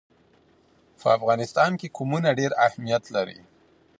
په افغانستان کې قومونه ډېر اهمیت لري.